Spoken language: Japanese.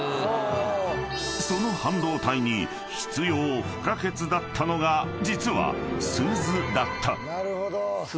［その半導体に必要不可欠だったのが実は］